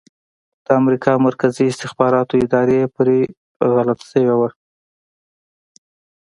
د امریکا مرکزي استخباراتو اداره پرې غلط شوي وو